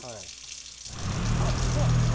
あっほらここ！